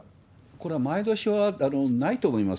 これは前倒しはないと思います。